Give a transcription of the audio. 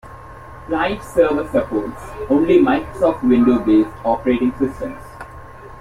Client-server supports only Microsoft Windows-based operating systems.